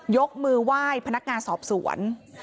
ยกมือไหว้พนักงานสอบสวน